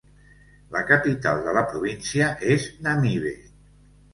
La capital de la província és Namibe.